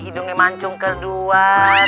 idungnya mancung kedua